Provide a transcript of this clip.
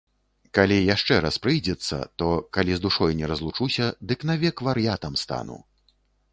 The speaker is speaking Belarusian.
Калі яшчэ раз прыйдзецца, то, калі з душой не разлучуся, дык навек вар'ятам стану.